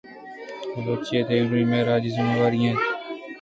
بلوچی ءِ دیمروئی مئے راجی زمہ واری اِنت۔